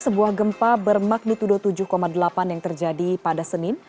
sebuah gempa bermagnitudo tujuh delapan yang terjadi pada senin